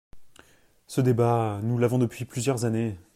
Ce débat, nous l’avons depuis plusieurs années.